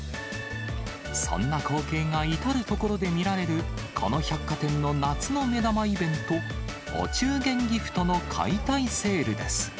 そんな光景が至る所で見られる、この百貨店の夏の目玉イベント、お中元ギフトの解体セールです。